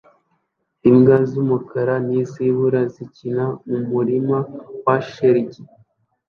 Imbwa z'umukara n'izirabura zikina mu murima wa shelegi